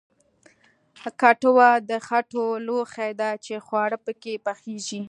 کټوه د خټو لوښی دی چې خواړه پکې پخیږي